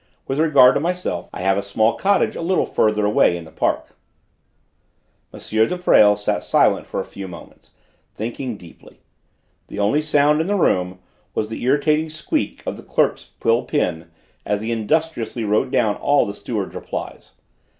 With regard to myself, I have a small cottage a little farther away in the park." M. de Presles sat silent for a few moments, thinking deeply. The only sound in the room was the irritating squeak of the clerk's quill pen, as he industriously wrote down all the steward's replies.